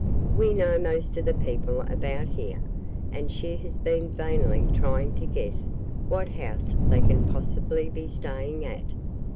We know most of the people about here, and she has been vainly trying to guess what house they can possibly be staying at."